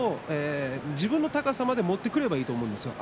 自分の高さまで持ってくればいいと思うんですね